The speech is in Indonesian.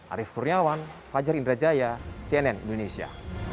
arief kurniawan fajar indrajaya cnn indonesia